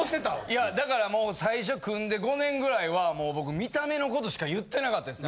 いやだからもう最初組んで５年ぐらいはもう僕見た目のことしか言ってなかったです。